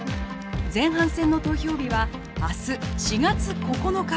前半戦の投票日は明日４月９日！